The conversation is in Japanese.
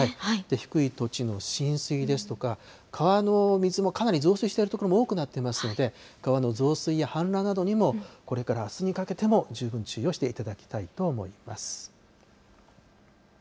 低い土地の浸水ですとか、川の水もかなり増水している所も多くなってますので、川の増水や氾濫などにも、これからあすにかけても十分注意をしていただきたいと思います。